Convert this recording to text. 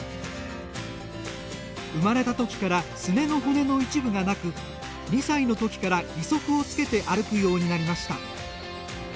生まれたときからすねの骨の一部がなく２歳のときから、義足をつけて歩くようになりました。